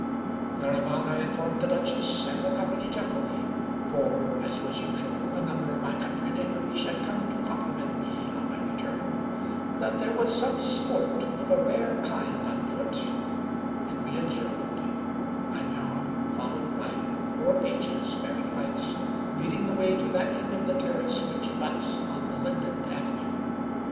Thereupon I informed the duchess and the company gen erally, for, as was usual, a number of my country neigh bors had come to compliment me on my return, that there was some sport of a rare kind on foot ; and we adjourned, Maignan, followed by four pages bearing lights, leading the way to that end of the terrace which abuts on the linden avenue.